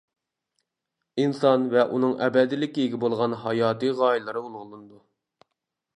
ئىنسان ۋە ئۇنىڭ ئەبەدىيلىككە ئىگە بولغان ھاياتىي غايىلىرى ئۇلۇغلىنىدۇ.